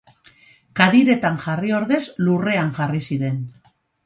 Kadiretan jarri ordez lurrean jarri ziren.